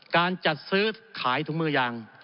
การจัดซื้อขายถุงมือยาง